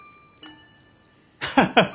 ハハハ。